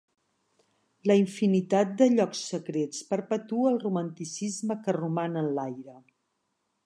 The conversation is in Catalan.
La infinitat de llocs secrets, perpetua el romanticisme que roman en l'aire.